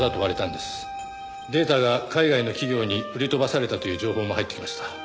データが海外の企業に売り飛ばされたという情報も入ってきました。